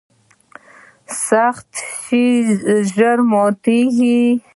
سخت شی ژر ماتیږي.